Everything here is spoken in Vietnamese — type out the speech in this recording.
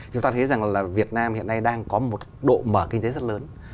chúng ta thấy rằng là việt nam hiện nay đang có một độ mở kinh tế rất lớn